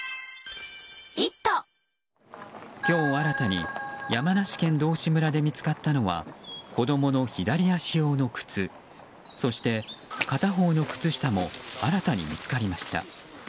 今日新たに山梨県道志村で見つかったのは子供の左足用の靴そして、片方の靴下も新たに見つかりました。